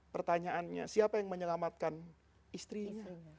pertanyaannya siapa yang menyelamatkan istrinya